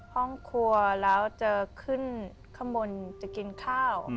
ห้องครัวแล้วจะขึ้นข้างบนจะกินข้าว